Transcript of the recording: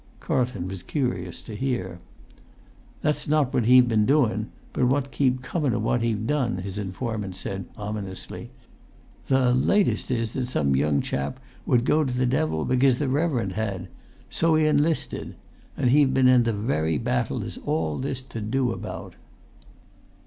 Carlton was curious to hear. "That's not what he've been doün, but what keep comun o' what he've done," his informant said ominously. "The latest is that some young chap would go to the devil because the reverend had, so he 'listed, and he've been in the very battle there's all this to do about!"